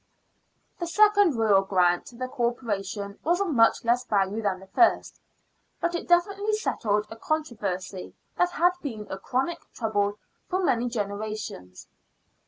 The second royal grant to the Corporation was of much less value than the first, but it definitely settled a controversy that had been a chronic trouble for many generations.